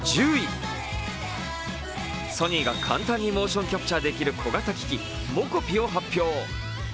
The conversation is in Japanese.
ソニーが簡単にモーションキャプチャーできる小型機器、ｍｏｃｏｐｉを発表。